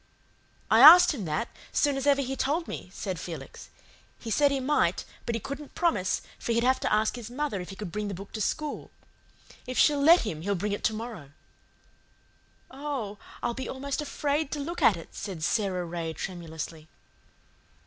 "I asked him that, soon as ever he told me," said Felix. "He said he might, but he couldn't promise, for he'd have to ask his mother if he could bring the book to school. If she'll let him he'll bring it to morrow." "Oh, I'll be almost afraid to look at it," said Sara Ray tremulously.